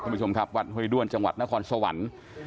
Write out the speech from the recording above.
คุณผู้ชมครับวัดห้วยด้วนจังหวัดนครสวรรค์